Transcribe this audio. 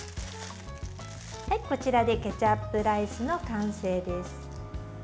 こちらでケチャップライスの完成です。